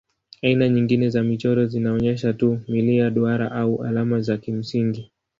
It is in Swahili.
Aina nyingine za michoro zinaonyesha tu milia, duara au alama za kimsingi.